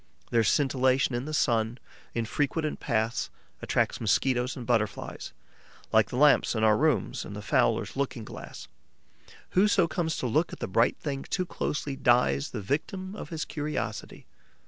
Their scintillation in the sun, in frequented paths, attracts Mosquitoes and Butterflies, like the lamps in our rooms and the fowler's looking glass. Whoso comes to look at the bright thing too closely dies the victim of his curiosity.